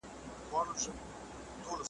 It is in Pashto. پر خپل ځان باندي تاویږو بس په رسم د پرکار ځو .